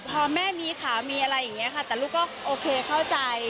พอแม่มีขามีอะไรอย่างนี้ค่ะแต่ลูกก็โอเคเข้าใจ